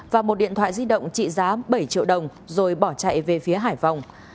và một điện thoại di động trị giá bảy triệu đồng rồi bỏ chạy về phía hải vòng